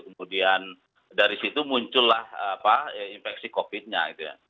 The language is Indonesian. kemudian dari situ muncullah infeksi covid nya gitu ya